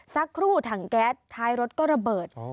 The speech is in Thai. สักครู่ถังแก๊สท้ายรถก็ระเบิด